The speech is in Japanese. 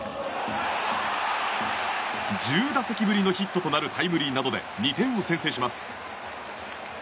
１０打席ぶりのヒットとなるタイムリーなどで２点を先制します。